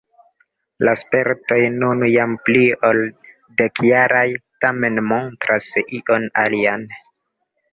La spertoj nun jam pli ol dekjaraj tamen montras ion alian.